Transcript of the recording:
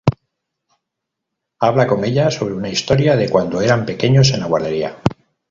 Habla con ella sobre una historia de cuando eran pequeños en la guardería.